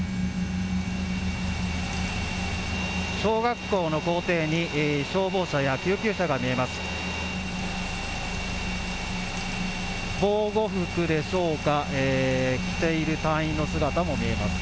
小学校の校庭に消防車や救急車が見えます。